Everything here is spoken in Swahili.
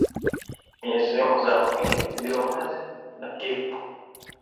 kwenye sehemu za mwili zilizo wazi na kifo